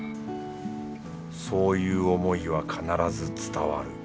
そういう思いは必ず伝わる